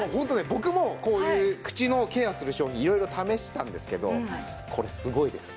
僕もこういう口のケアする商品色々試したんですけどこれすごいです。